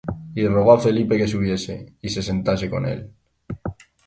Y rogó á Felipe que subiese, y se sentase con él.